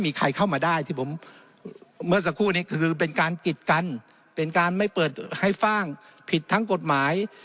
เมื่อสักครู่นี้คือเป็นการกิจกันเป็นการไม่เปิดให้ฟ่างผิดทั้งกฎหมาย